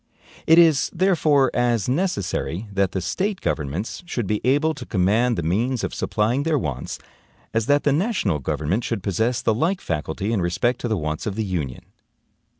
It is, therefore, as necessary that the State governments should be able to command the means of supplying their wants, as that the national government should possess the like faculty in respect to the wants of the Union.